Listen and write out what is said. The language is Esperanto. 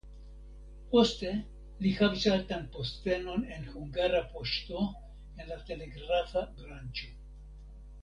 Poste li havis altan postenon en Hungara Poŝto en la telegrafa branĉo.